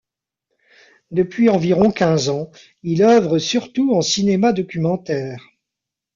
Depuis environ quinze ans, il œuvre surtout en cinéma documentaire.